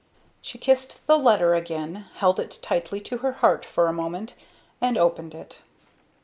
She kissed the letter again, held it tightly to her heart for a moment, and opened it.